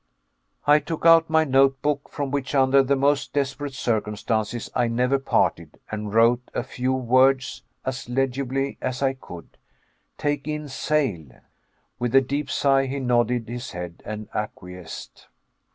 I took out my notebook, from which under the most desperate circumstances I never parted, and wrote a few words as legibly as I could: "Take in sail." With a deep sigh he nodded his head and acquiesced.